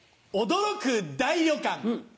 驚く大旅館。